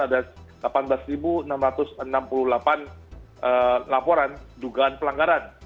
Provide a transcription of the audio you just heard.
ada delapan belas enam ratus enam puluh delapan laporan dugaan pelanggaran